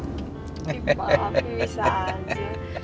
eh pak bisa aja